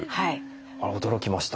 あれ驚きました。